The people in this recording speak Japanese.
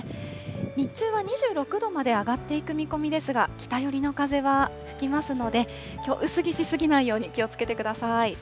日中は２６度まで上がっていく見込みですが、北寄りの風は吹きますので、きょう、薄着し過ぎないように気をつけてください。